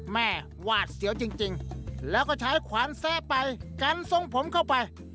วาดเสียวจริงแล้วก็ใช้ขวานแซะไปกันทรงผมเข้าไป